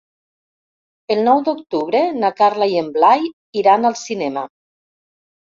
El nou d'octubre na Carla i en Blai iran al cinema.